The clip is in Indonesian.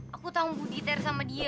aku tanggung budi ter sama dia